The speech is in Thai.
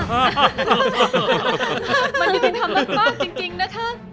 มันยุติธรรมมากจริงนะคะ